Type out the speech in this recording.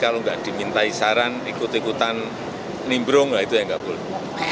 limbrung lah itu yang gak boleh